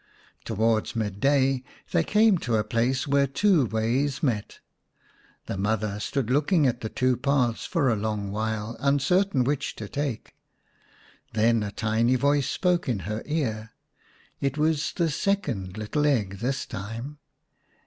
Towards mid day they came to a place where two ways met. The mother stood looking at the two paths for a long while, uncertain which to take. Then a tiny voice spoke in her ear. It was the second little egg this time.